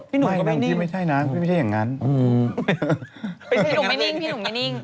พี่หนุ่มก็ไม่นิ่งไม่ใช่นะพี่หนุ่มไม่นิ่ง